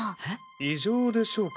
異常でしょうか？